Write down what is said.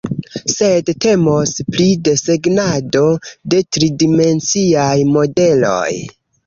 sed temos pri desegnado de tridimenciaj modeloj